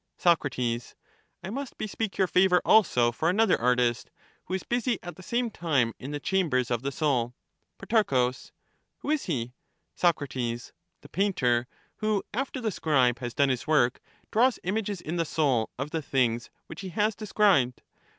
Soc, I must bespeak your favour also for another artist, who is busy at the same time in the chambers of the soul. Pro, Who is he? Soc, The painter, who, after the scribe has done his work, draws images in the soul of the things which he has de scribed.